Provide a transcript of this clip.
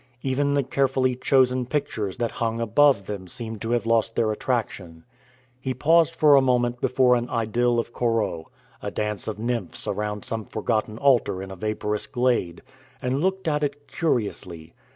Even the carefully chosen pictures that hung above them seemed to have lost their attraction. He paused for a moment before an idyll of Corot a dance of nymphs around some forgotten altar in a vaporous glade and looked at it curiously.